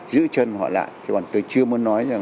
giữ chân họ lại